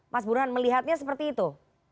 mas burhan melihatnya seperti itu